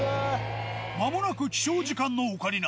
まもなく起床時間のオカリナ。